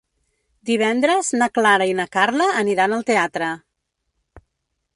Divendres na Clara i na Carla aniran al teatre.